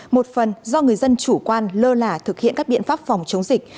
một phần do người dân chủ quan lơ lả thực hiện các biện pháp phòng chống dịch